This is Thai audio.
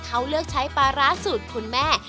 เขาเลือกใช้ปลาร้าสูตรคุณแม่